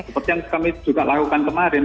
seperti yang kami juga lakukan kemarin